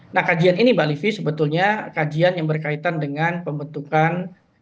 nah kajian ini mbak livi sebetulnya kajian yang berkaitan dengan pembentukan